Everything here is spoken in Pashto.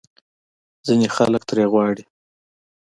ځینې خلک ترې غواړي